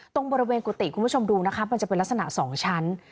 ตรงบริเวณกุฏิคุณผู้ชมดูนะคะมันจะเป็นลักษณะ๒ชั้น